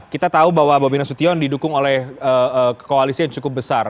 kita tahu bahwa bobi nasution didukung oleh koalisi yang cukup besar